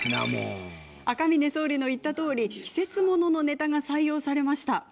赤嶺総理の言ったとおり季節もののネタが採用されました。